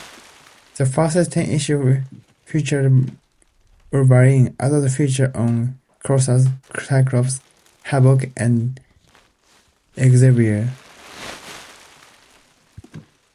The first ten issues featured Wolverine; others featured were Colossus, Cyclops, Havok, and Excalibur.